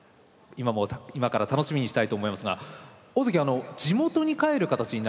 今から楽しみにしたいと思いますが大関地元に帰る形になりますよね。